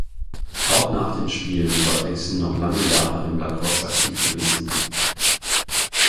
Auch nach den Spielen war Dixon noch lange Jahre im Lacrosse aktiv gewesen.